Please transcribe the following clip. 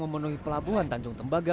memenuhi pelabuhan tanjung tembaga